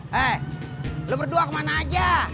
hei lo berdua kemana aja